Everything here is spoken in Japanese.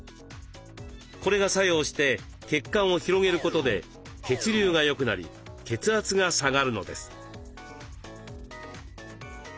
これが作用して血管を広げることで血流がよくなり血圧が下がるのです。